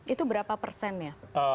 itu berapa persennya